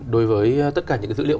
đối với tất cả những dữ liệu